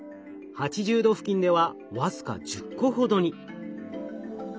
８０℃付近では僅か１０個ほどに。